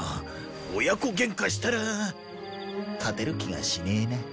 親子ゲンカしたら勝てる気がしねえな。